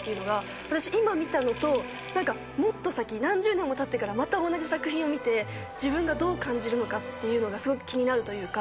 私今見たのともっと先何十年もたってからまた同じ作品を見て自分がどう感じるのかっていうのがすごく気になるというか。